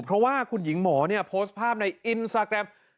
เพราะว่าคุณหญิงหมอโพสต์ภาพในอินสตาแกรม